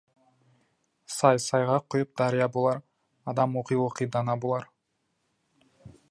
Сай-сайға құйып дария болар, адам оқи-оқи дана болар.